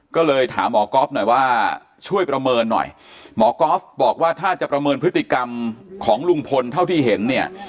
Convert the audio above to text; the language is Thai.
ก็เลยถามหมอก๊อฟหน่อยว่าช่วยประเมินหน่อยหมอก๊อฟบอกว่าถ้าจะประเมินพฤติกรรมของลุงพลเท่าที่เห็นเนี่ย